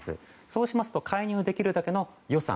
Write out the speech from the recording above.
そうしますと介入できるだけの予算。